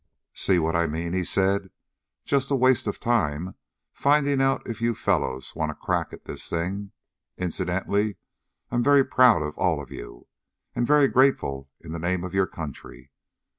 "See what I mean?" he said. "Just a waste of time finding out if you fellows want a crack at this thing. Incidentally, I'm very proud of all of you, and very grateful in the name of your country.